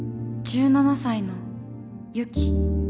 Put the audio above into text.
１７才のユキ。